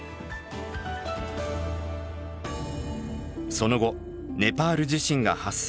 その後ネパール地震が発生。